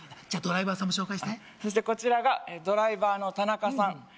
じゃあドライバーさんも紹介してそしてこちらがドライバーの田中さん